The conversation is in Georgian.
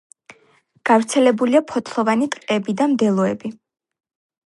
გავრცელებულია ფოთლოვანი ტყეები და მდელოები.